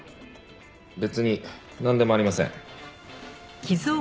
別になんでもありません。